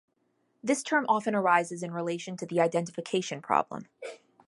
This term often arises in relation to the identification problem.